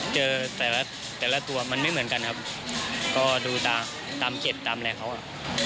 เจอแต่ละแต่ละตัวมันไม่เหมือนกันครับก็ดูตามเจ็ดตามอะไรเขาอ่ะ